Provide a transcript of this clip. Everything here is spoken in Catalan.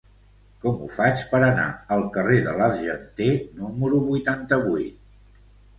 Com ho faig per anar al carrer de l'Argenter número vuitanta-vuit?